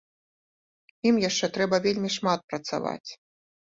Ім яшчэ трэба вельмі шмат працаваць.